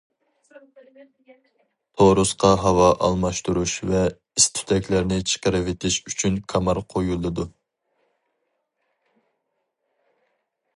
تورۇسقا ھاۋا ئالماشتۇرۇش ۋە ئىس-تۈتەكلەرنى چىقىرىۋېتىش ئۈچۈن كامار قويۇلىدۇ.